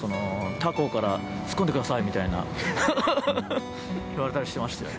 他校から、ツッコんでくださいみたいな言われたりしてましたよ。